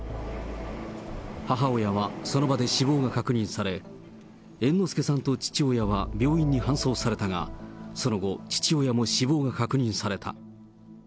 母親はその場で死亡が確認され、猿之助さんと父親は病院に搬送されたが、その後、父親も死亡が確認された。